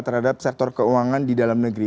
terhadap sektor keuangan di dalam negeri